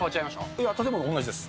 いや、建物は同じです。